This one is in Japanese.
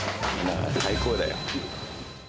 最高だよ。